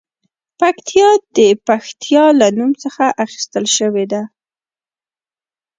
پکتیا د پښتیا له نوم څخه اخیستل شوې ده